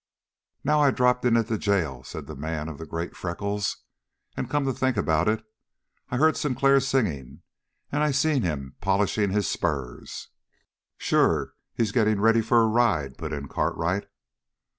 "Now I dropped in at the jail," said the man of the great freckles, "and come to think about it, I heard Sinclair singing, and I seen him polishing his spurs." "Sure, he's getting ready for a ride," put in Cartwright.